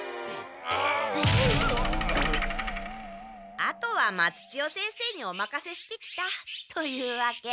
あとは松千代先生におまかせしてきたというわけ。